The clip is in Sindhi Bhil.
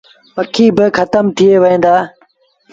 پکي با کتم ٿئي وهيݩ دآ۔